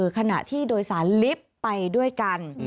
ขณะที่โดยสารลิฟต์ไปด้วยกัน